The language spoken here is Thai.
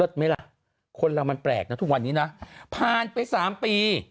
ไหมล่ะคนเรามันแปลกนะทุกวันนี้นะผ่านไป๓ปี